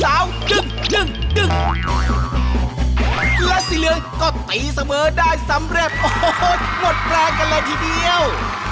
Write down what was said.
แล้วสีเหลืองก็ตีเสมอได้สำเร็จโอ้โหหมดแรงกันเลยทีเดียว